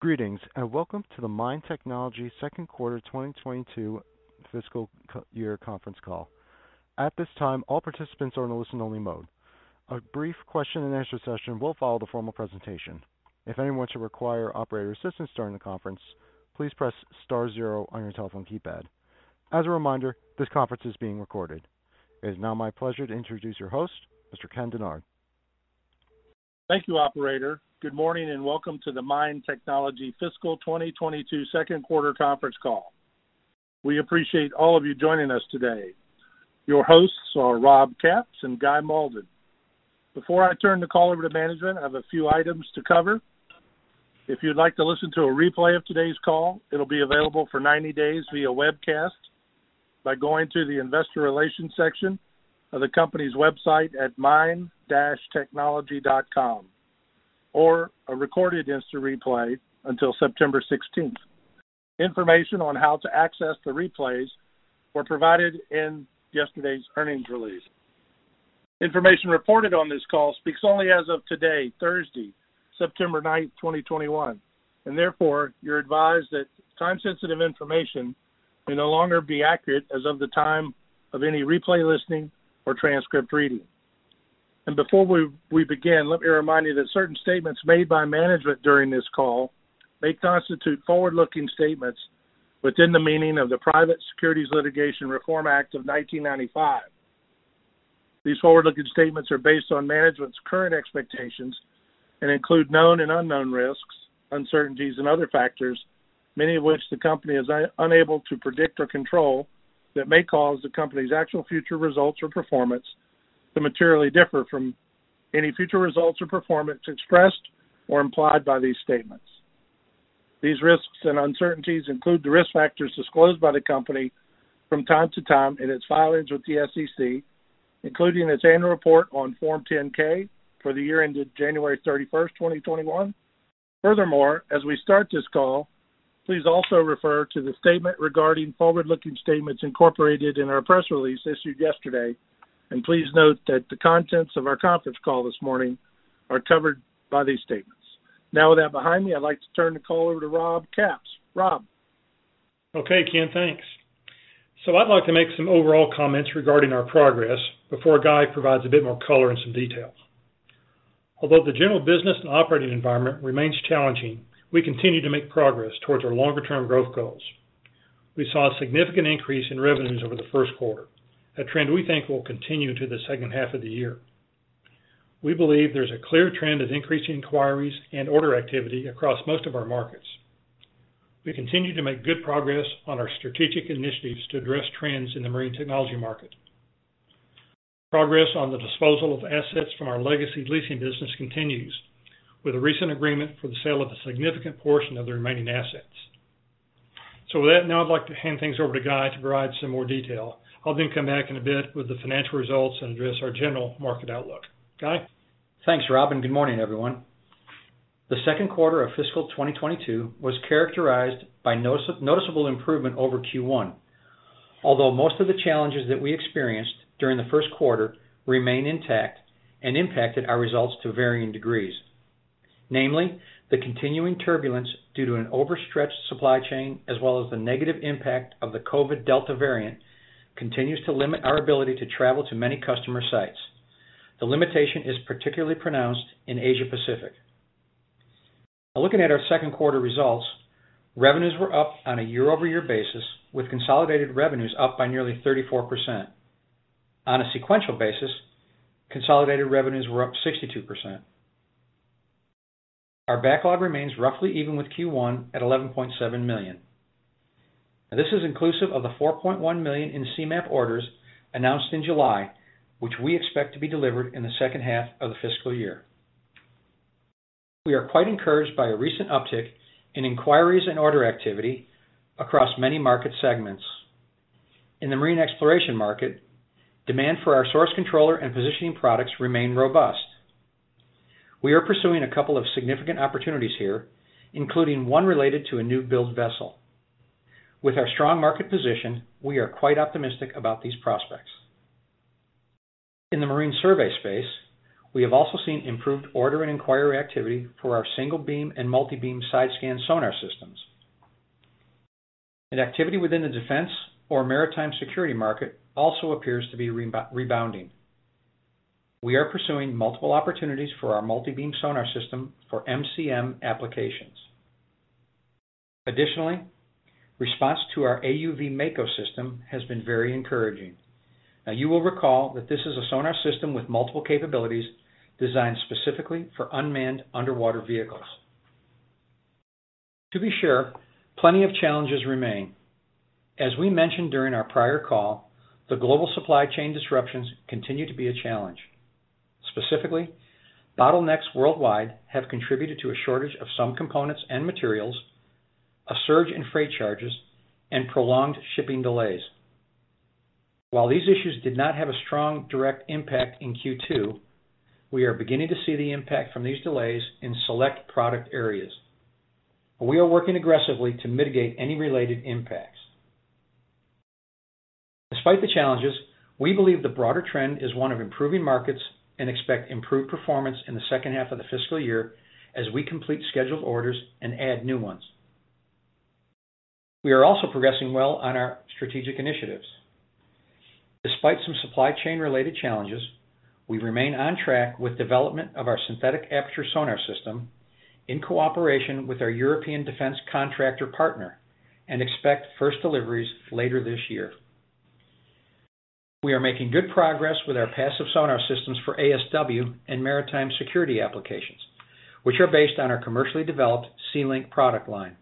Greetings, and welcome to the MIND Technology second quarter 2022 fiscal year conference call. At this time, all participants are in listen only mode. A brief question and answer session will follow the formal presentation. If anyone should require operator assistance during the conference, please press star zero on your telephone keypad. As a reminder, this conference is being recorded. It is now my pleasure to introduce your host, Mr. Ken Dennard. Thank you, operator. Good morning and welcome to the MIND Technology fiscal 2022 second quarter conference call. We appreciate all of you joining us today. Your hosts are Rob Capps and Guy Malden. Before I turn the call over to management, I have a few items to cover. If you'd like to listen to a replay of today's call, it'll be available for 90 days via webcast by going to the investor relations section of the company's website at mind-technology.com, or a recorded instant replay until September 16th. Information on how to access the replays were provided in yesterday's earnings release. Information reported on this calll speaks only as of today, Thursday, September 9th, 2021. Therefore, you're advised that time sensitive information may no longer be accurate as of the time of any replay listening or transcript reading. Before we begin, let me remind you that certain statements made by management during this call may constitute forward-looking statements within the meaning of the Private Securities Litigation Reform Act of 1995. These forward-looking statements are based on management's current expectations and include known and unknown risks, uncertainties, and other factors, many of which the company is unable to predict or control, that may cause the company's actual future results or performance to materially differ from any future results or performance expressed or implied by these statements. These risks and uncertainties include the risk factors disclosed by the company from time to time in its filings with the SEC, including its annual report on Form 10-K for the year ended January 31st, 2021. As we start this call, please also refer to the statement regarding forward-looking statements incorporated in our press release issued yesterday, please note that the contents of our conference call this morning are covered by these statements. Now, with that behind me, I'd like to turn the call over to Rob Capps. Rob? Okay, Ken. Thanks. I'd like to make some overall comments regarding our progress before Guy provides a bit more color and some details. Although the general business and operating environment remains challenging, we continue to make progress towards our longer term growth goals. We saw a significant increase in revenues over the first quarter, a trend we think will continue into the second half of the year. We believe there's a clear trend of increasing inquiries and order activity across most of our markets. We continue to make good progress on our strategic initiatives to address trends in the marine technology market. Progress on the disposal of assets from our legacy leasing business continues, with a recent agreement for the sale of a significant portion of the remaining assets. With that, now I'd like to hand things over to Guy to provide some more detail. I'll come back in a bit with the financial results and address our general market outlook. Guy? Thanks, Rob. Good morning, everyone. The second quarter of fiscal 2022 was characterized by noticeable improvement over Q1, although most of the challenges that we experienced during the first quarter remain intact and impacted our results to varying degrees. Namely, the continuing turbulence due to an overstretched supply chain, as well as the negative impact of the COVID Delta variant, continues to limit our ability to travel to many customer sites. The limitation is particularly pronounced in Asia Pacific. Looking at our second quarter results, revenues were up on a year-over-year basis, with consolidated revenues up by nearly 34%. On a sequential basis, consolidated revenues were up 62%. Our backlog remains roughly even with Q1 at $11.7 million. This is inclusive of the $4.1 million in Seamap orders announced in July, which we expect to be delivered in the second half of the fiscal year. We are quite encouraged by a recent uptick in inquiries and order activity across many market segments. In the marine exploration market, demand for our source controller and positioning products remain robust. We are pursuing a couple of significant opportunities here, including one related to a new build vessel. With our strong market position, we are quite optimistic about these prospects. In the marine survey space, we have also seen improved order and inquiry activity for our single beam and multi-beam side scan sonar systems. Activity within the defense or maritime security market also appears to be rebounding. We are pursuing multiple opportunities for our multi-beam sonar system for MCM applications. Additionally, response to our AUV-MAKO system has been very encouraging. You will recall that this is a sonar system with multiple capabilities designed specifically for unmanned underwater vehicles. To be sure, plenty of challenges remain. As we mentioned during our prior call, the global supply chain disruptions continue to be a challenge. Specifically, bottlenecks worldwide have contributed to a shortage of some components and materials, a surge in freight charges, and prolonged shipping delays. While these issues did not have a strong direct impact in Q2, we are beginning to see the impact from these delays in select product areas. We are working aggressively to mitigate any related impacts. Despite the challenges, we believe the broader trend is one of improving markets and expect improved performance in the second half of the fiscal year as we complete scheduled orders and add new ones. We are also progressing well on our strategic initiatives. Despite some supply chain related challenges, we remain on track with development of our synthetic aperture sonar system in cooperation with our European defense contractor partner, and expect first deliveries later this year. We are making good progress with our passive sonar systems for ASW and maritime security applications, which are based on our commercially developed SeaLink product line.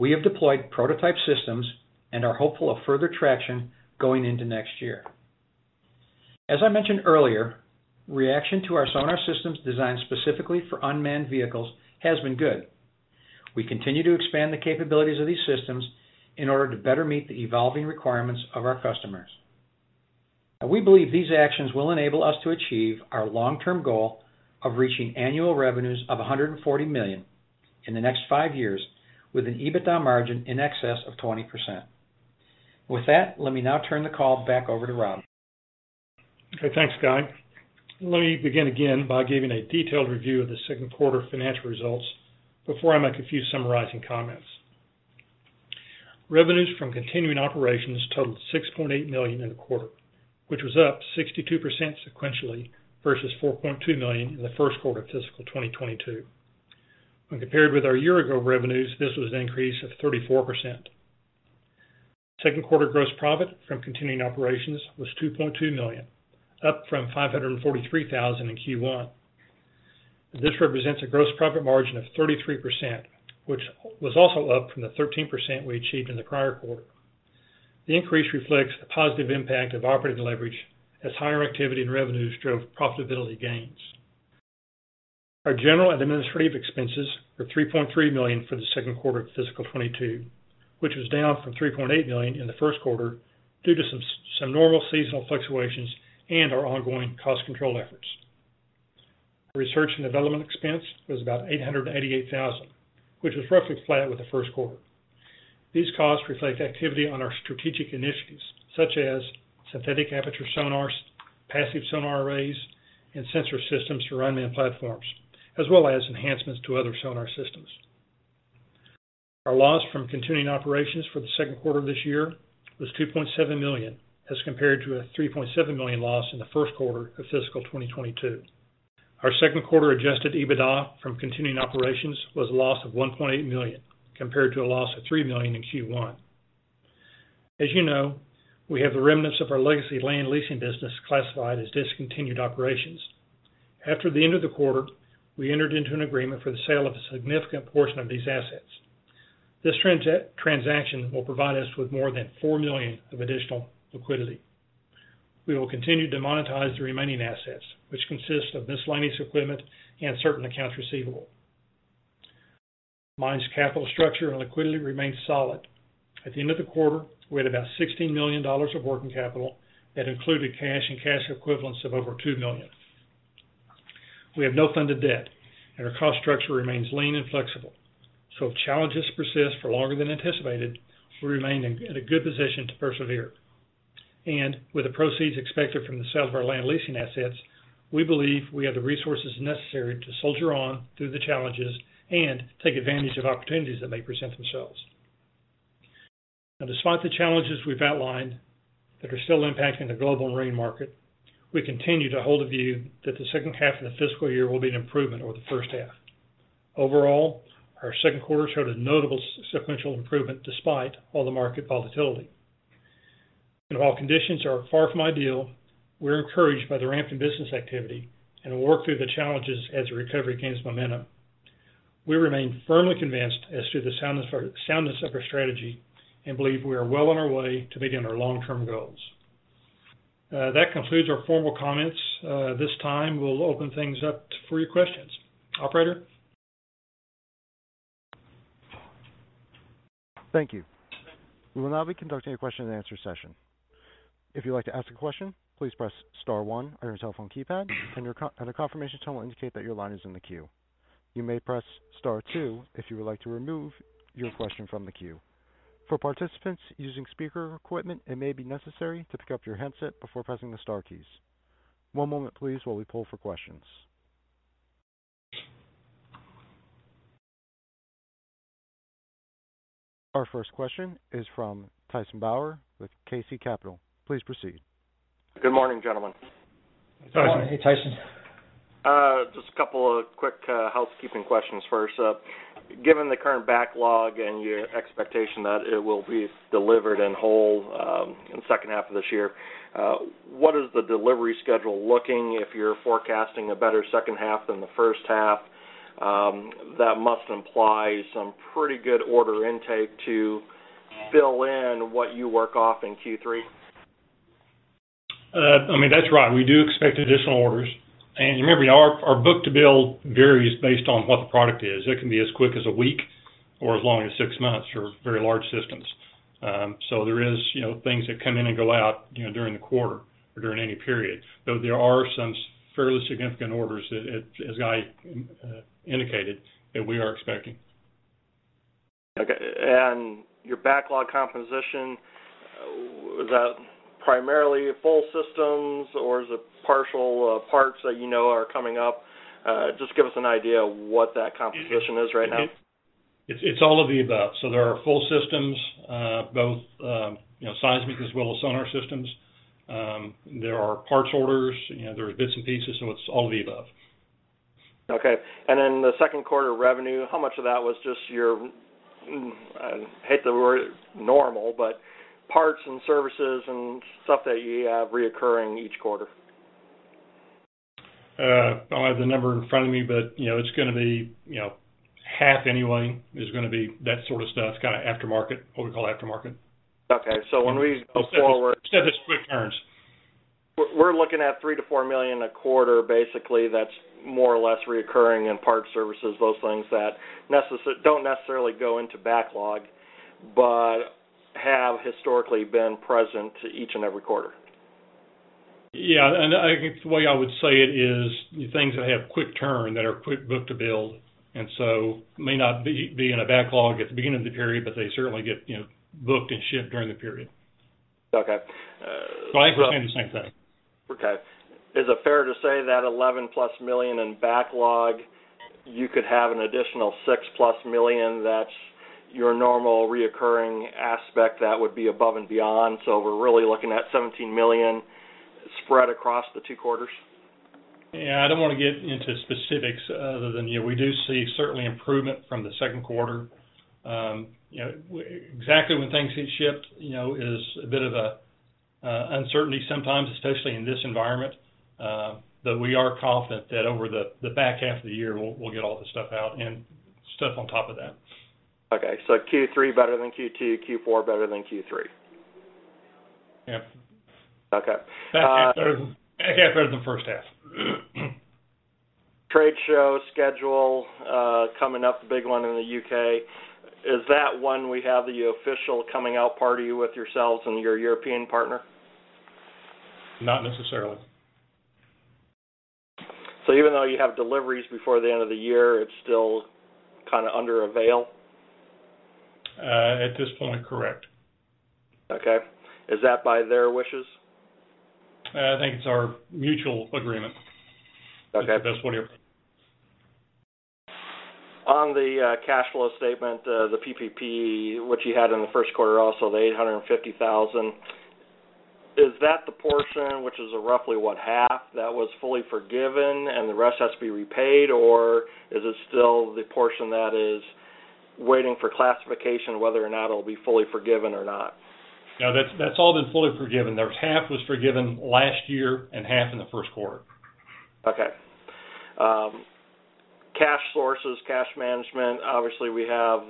We have deployed prototype systems and are hopeful of further traction going into next year. As I mentioned earlier, reaction to our sonar systems designed specifically for unmanned vehicles has been good. We continue to expand the capabilities of these systems in order to better meet the evolving requirements of our customers. We believe these actions will enable us to achieve our long-term goal of reaching annual revenues of $140 million in the next five years with an EBITDA margin in excess of 20%. With that, let me now turn the call back over to Rob. Okay, thanks, Guy. Let me begin again by giving a detailed review of the second quarter financial results before I make a few summarizing comments. Revenues from continuing operations totaled $6.8 million in the quarter, which was up 62% sequentially versus $4.2 million in the first quarter of fiscal 2022. When compared with our year-ago revenues, this was an increase of 34%. Second quarter gross profit from continuing operations was $2.2 million, up from $543,000 in Q1. This represents a gross profit margin of 33%, which was also up from the 13% we achieved in the prior quarter. The increase reflects the positive impact of operating leverage as higher activity and revenues drove profitability gains. Our general administrative expenses were $3.3 million for the second quarter of fiscal 2022, which was down from $3.8 million in the first quarter due to some normal seasonal fluctuations and our ongoing cost control efforts. Research and development expense was about $888,000, which was roughly flat with the first quarter. These costs reflect activity on our strategic initiatives such as synthetic aperture sonars, passive sonar arrays, and sensor systems for unmanned platforms, as well as enhancements to other sonar systems. Our loss from continuing operations for the second quarter of this year was $2.7 million as compared to a $3.7 million loss in the first quarter of fiscal 2022. Our second quarter adjusted EBITDA from continuing operations was a loss of $1.8 million, compared to a loss of $3 million in Q1. As you know, we have the remnants of our legacy land leasing business classified as discontinued operations. After the end of the quarter, we entered into an agreement for the sale of a significant portion of these assets. This transaction will provide us with more than $4 million of additional liquidity. We will continue to monetize the remaining assets, which consist of miscellaneous equipment and certain accounts receivable. MIND's capital structure and liquidity remains solid. At the end of the quarter, we had about $16 million of working capital that included cash and cash equivalents of over $2 million. We have no funded debt, our cost structure remains lean and flexible. If challenges persist for longer than anticipated, we remain in a good position to persevere. With the proceeds expected from the sale of our land leasing assets, we believe we have the resources necessary to soldier on through the challenges and take advantage of opportunities that may present themselves. Now, despite the challenges we've outlined that are still impacting the global marine market, we continue to hold a view that the second half of the fiscal year will be an improvement over the first half. Overall, our second quarter showed a notable sequential improvement despite all the market volatility. While conditions are far from ideal, we're encouraged by the ramp in business activity and will work through the challenges as the recovery gains momentum. We remain firmly convinced as to the soundness of our strategy and believe we are well on our way to meeting our long-term goals. That concludes our formal comments. At this time, we'll open things up for your questions. Operator? Thank you. We will now be conducting a question and answer session. If you'd like to ask a question, please press star one on your telephone keypad, and a confirmation tone will indicate that your line is in the queue. You may press star two if you would like to remove your question from the queue. For participants using speaker equipment, it may be necessary to pick up your handset before pressing the star keys. One moment please while we poll for questions. Our first question is from Tyson Bauer with KC Capital. Please proceed. Good morning, gentlemen. Tyson. Hey, Tyson. Just a couple of quick housekeeping questions first. Given the current backlog and your expectation that it will be delivered in whole in second half of this year, what is the delivery schedule looking if you're forecasting a better second half than the first half? That must imply some pretty good order intake to fill in what you work off in Q3. That's right. We do expect additional orders. Remember, our book to build varies based on what the product is. It can be as quick as a week or as long as six months for very large systems. There is things that come in and go out during the quarter or during any period, though there are some fairly significant orders that, as Guy indicated, that we are expecting. Okay. Your backlog composition, is that primarily full systems or is it partial parts that you know are coming up? Just give us an idea what that composition is right now. It's all of the above. There are full systems, both seismic as well as sonar systems. There are parts orders. There are bits and pieces. It's all of the above. Okay. Then the second quarter revenue, how much of that was just your, I hate the word normal, but parts and services and stuff that you have recurring each quarter? I don't have the number in front of me, but it's going to be half anyway, is going to be that sort of stuff, kind of aftermarket, what we call aftermarket. Okay. Stuff that's quick turns. we're looking at $3 million-$4 million a quarter, basically, that's more or less recurring in parts, services, those things that don't necessarily go into backlog, but have historically been present each and every quarter. I think the way I would say it is the things that have quick turn, that are quick book-to-bill, and so may not be in a backlog at the beginning of the period, but they certainly get booked and shipped during the period. Okay. I think we're saying the same thing. Okay. Is it fair to say that $11+ million in backlog, you could have an additional $6+ million that's your normal recurring aspect, that would be above and beyond? We're really looking at $17 million spread across the two quarters? Yeah, I don't want to get into specifics other than we do see certainly improvement from the second quarter. Exactly when things get shipped is a bit of a uncertainty sometimes, especially in this environment. We are confident that over the back half of the year, we'll get all the stuff out and stuff on top of that. Okay, Q3 better than Q2, Q4 better than Q3. Yeah. Okay. Back half better than the first half. Trade show schedule coming up, the big one in the U.K. Is that one we have the official coming out party with yourselves and your European partner? Not necessarily. Even though you have deliveries before the end of the year, it's still kind of under a veil? At this point, correct. Okay. Is that by their wishes? I think it's our mutual agreement. Okay. That's what here. On the cash flow statement, the PPP, which you had in the first quarter also, the $850,000, is that the portion which is roughly, what, half that was fully forgiven and the rest has to be repaid, or is it still the portion that is waiting for classification, whether or not it'll be fully forgiven or not? No, that's all been fully forgiven. Half was forgiven last year and half in the first quarter. Okay. Cash sources, cash management, obviously we have.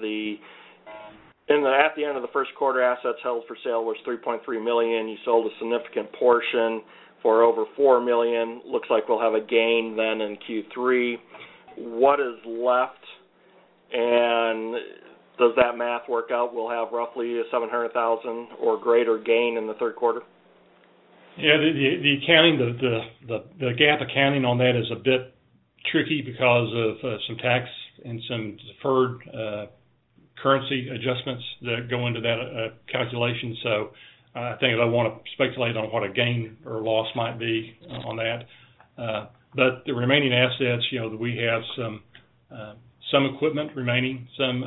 At the end of the first quarter, assets held for sale was $3.3 million. You sold a significant portion for over $4 million. Looks like we'll have a gain then in Q3. What is left and does that math work out? We'll have roughly a $700,000 or greater gain in the third quarter? Yeah, the accounting, the GAAP accounting on that is a bit tricky because of some tax and some deferred currency adjustments that go into that calculation. I don't think that I want to speculate on what a gain or loss might be on that. The remaining assets, we have some equipment remaining, some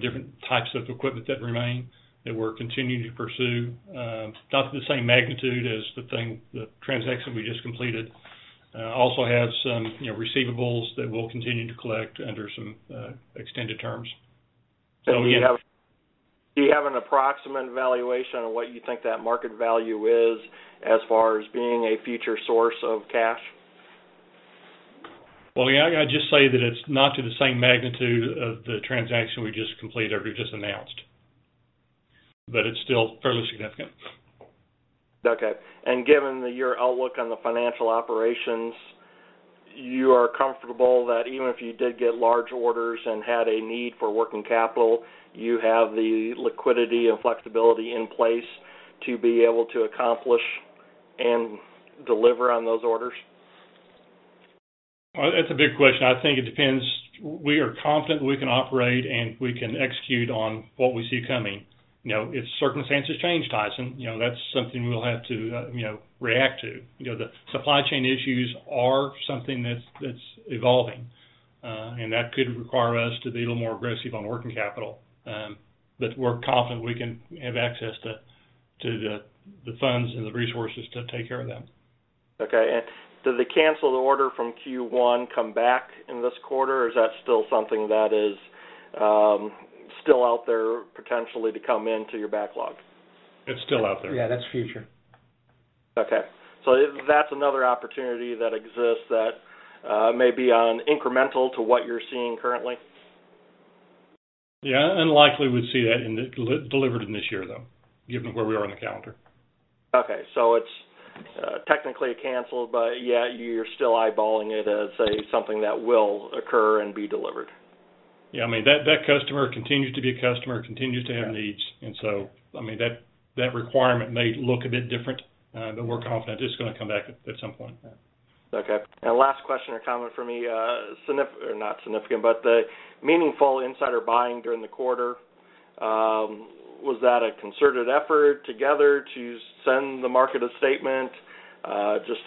different types of equipment that remain that we're continuing to pursue. Not to the same magnitude as the transaction we just completed. Also have some receivables that we'll continue to collect under some extended terms. Do you have an approximate valuation on what you think that market value is as far as being a future source of cash? Well, I'd just say that it's not to the same magnitude of the transaction we just completed or we just announced. It's still fairly significant. Okay. Given your outlook on the financial operations, you are comfortable that even if you did get large orders and had a need for working capital, you have the liquidity and flexibility in place to be able to accomplish and deliver on those orders? That's a big question. I think it depends. We are confident we can operate, and we can execute on what we see coming. If circumstances change, Tyson, that's something we'll have to react to. The supply chain issues are something that's evolving. That could require us to be a little more aggressive on working capital. We're confident we can have access to the funds and the resources to take care of them. Okay. Did the canceled order from Q1 come back in this quarter, or is that still something that is still out there potentially to come into your backlog? It's still out there. Yeah, that's future. Okay. That's another opportunity that exists that may be incremental to what you're seeing currently? Yeah, unlikely we'd see that delivered in this year, though, given where we are in the calendar. Okay. It's technically canceled, but yet you're still eyeballing it as, say, something that will occur and be delivered. That customer continues to be a customer, continues to have needs, and so that requirement may look a bit different, but we're confident it's going to come back at some point. Okay. Last question or comment for me, significant, or not significant, but the meaningful insider buying during the quarter, was that a concerted effort together to send the market a statement? Just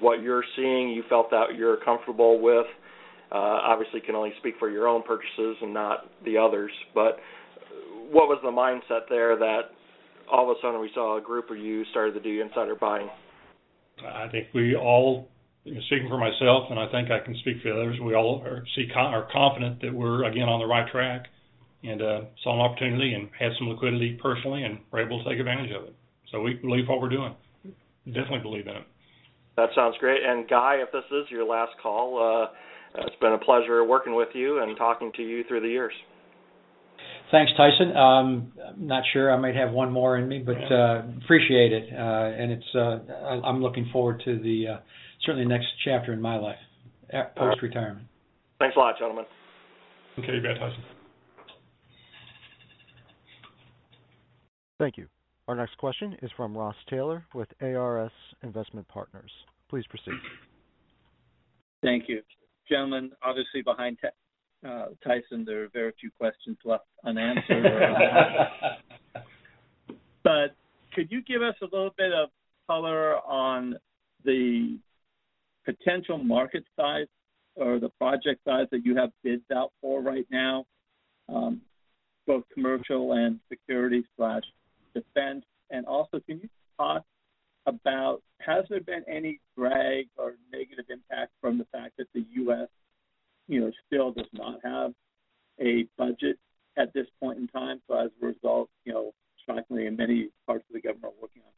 what you're seeing, you felt that you're comfortable with? Obviously, can only speak for your own purchases and not the others. What was the mindset there that all of a sudden we saw a group of you started to do insider buying? I think we all, speaking for myself, and I think I can speak for the others, we all are confident that we're again on the right track, and saw an opportunity and had some liquidity personally and were able to take advantage of it. We believe what we're doing. Definitely believe in it. That sounds great. Guy, if this is your last call, it's been a pleasure working with you and talking to you through the years. Thanks, Tyson. I'm not sure, I might have one more in me, but appreciate it. I'm looking forward to the certainly next chapter in my life, post-retirement. Thanks a lot, gentlemen. Okay. You bet, Tyson. Thank you. Our next question is from Ross Taylor with ARS Investment Partners. Please proceed. Thank you. Gentlemen, obviously behind Tyson, there are very few questions left unanswered. Could you give us a little bit of color on the potential market size or the project size that you have bids out for right now, both commercial and security/defense? Can you talk about has there been any drag or negative impact from the fact that the U.S. still does not have a budget at this point in time, so as a result, shockingly, in many parts of the government working on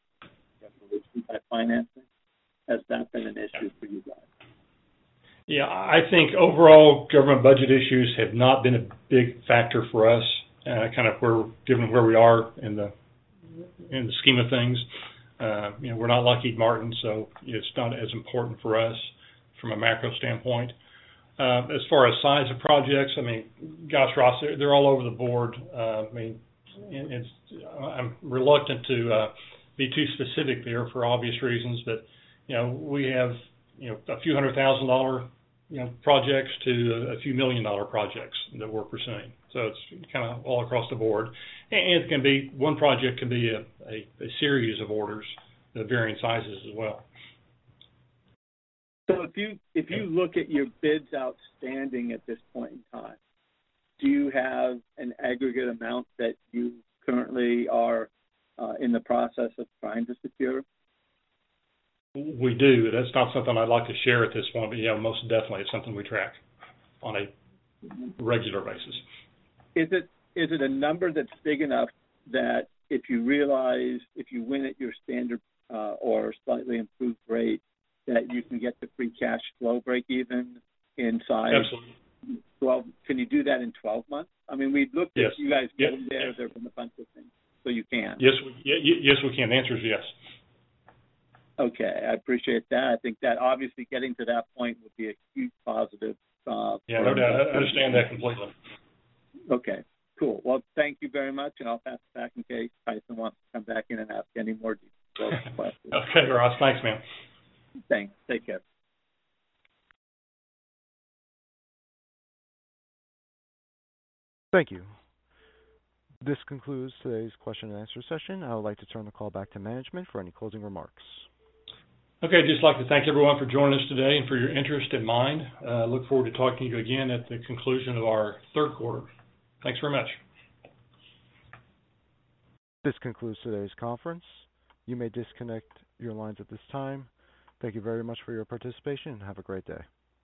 Yeah, I think overall, government budget issues have not been a big factor for us. Kind of given where we are in the scheme of things. We're not Lockheed Martin, so it's not as important for us from a macro standpoint. As far as size of projects, gosh, Ross, they're all over the board. I'm reluctant to be too specific there for obvious reasons, but we have a few $100 thousand dollar projects to a few $1 million dollar projects that we're pursuing. It's kind of all across the board. 1 project can be a series of orders of varying sizes as well. If you look at your bids outstanding at this point in time, do you have an aggregate amount that you currently are in the process of trying to secure? We do. That's not something I'd like to share at this point, but yeah, most definitely. It's something we track on a regular basis. Is it a number that's big enough that if you realize, if you win at your standard or slightly improved rate, that you can get the free cash flow breakeven in size? Absolutely. Can you do that in 12 months? I mean... Yes. ...we look at you guys from a funding standpoint. You can? Yes, we can. The answer is yes. Okay. I appreciate that. I think that obviously getting to that point would be a huge positive. Yeah. No, I understand that completely. Okay, cool. Thank you very much, and I'll pass it back in case Tyson wants to come back in and ask any more detailed questions. Okay, Ross. Thanks, man. Thanks. Take care. Thank you. This concludes today's question and answer session. I would like to turn the call back to management for any closing remarks. I'd just like to thank everyone for joining us today and for your interest in MIND. I look forward to talking to you again at the conclusion of our third quarter. Thanks very much. This concludes today's conference. You may disconnect your lines at this time. Thank you very much for your participation, and have a great day.